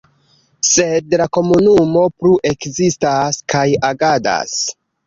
Sed la komunumo plu ekzistas kaj agadas.